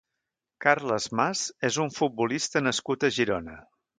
Carles Mas és un futbolista nascut a Girona.